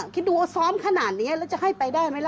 คิดดูว่าซ้อมขนาดนี้แล้วจะให้ไปได้ไหมล่ะ